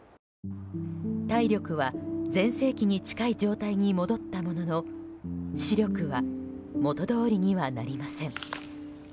体力は全盛期に近い状態に戻ったものの視力は元通りにはなりません。